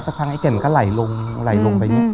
สักพักไอ้แก่นมันก็ไหลลงไป